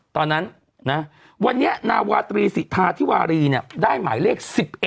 ตอนนั้นนะวันนี้นาวาตรีสิทธาธิวารีเนี่ยได้หมายเลข๑๑